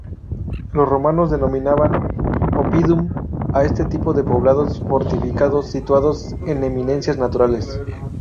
Los romanos denominaban "oppidum" a ese tipo de poblados fortificados situados en eminencias naturales.